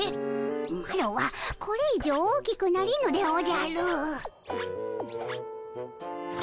マロはこれ以上大きくなれぬでおじゃる。